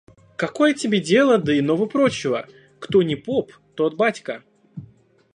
Какое тебе дело до иного-прочего? Кто ни поп, тот батька.